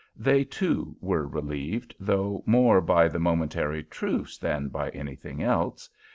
They, too, were relieved, though more by the momentary truce than by anything else.